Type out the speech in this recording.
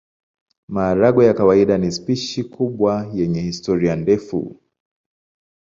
Maharagwe ya kawaida ni spishi kubwa yenye historia ndefu.